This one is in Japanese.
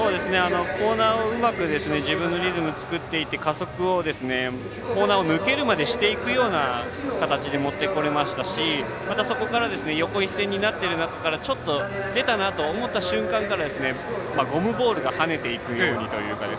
コーナーをうまく自分のリズムを作っていって加速をコーナーを抜けるまでしていくような形に持ってこれましたしまた、そこから横一線になっている中からちょっと、出たなと思った瞬間ゴムボールが跳ねていくようにというか。